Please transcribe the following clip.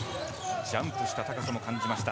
ジャンプ高さも感じました。